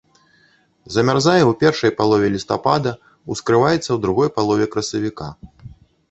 Замярзае ў першай палове лістапада, ускрываецца ў другой палове красавіка.